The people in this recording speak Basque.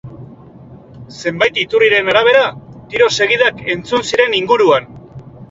Zenbait iturrien arabera, tiro-segidak entzun ziren inguruan.